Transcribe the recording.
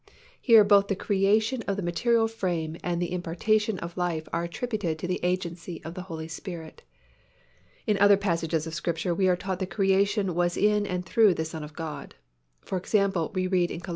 Here both the creation of the material frame and the impartation of life are attributed to the agency of the Holy Spirit. In other passages of Scripture we are taught that creation was in and through the Son of God. For example we read in Col.